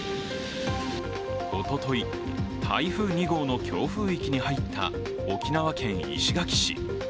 おととい、台風２号の強風域に入った沖縄県石垣市。